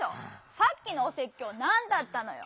さっきのおせっきょうなんだったのよ。